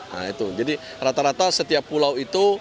nah itu jadi rata rata setiap pulau itu